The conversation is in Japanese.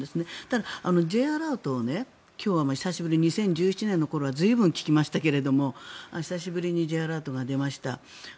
ただ、Ｊアラートを今日、久しぶりに２０１７年の頃は随分聞きましたけど久しぶりにＪアラートが出ました。